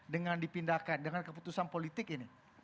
dengan dipindahkan dengan keputusan politik ini